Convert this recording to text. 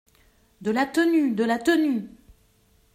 De la tenue ! de la tenue !